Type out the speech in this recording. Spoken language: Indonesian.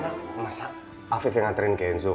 aku gak enak masa afif yang nganterin kenzo